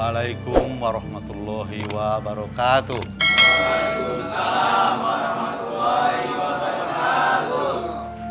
waalaikumsalam warahmatullahi wabarakatuh